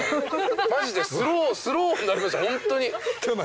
マジでスローになりましたホントに。